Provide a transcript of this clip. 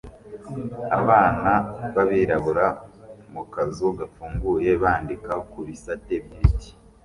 Abana b'abirabura mu kazu gafunguye bandika ku bisate by'ibiti